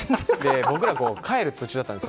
僕らは帰る途中だったんです。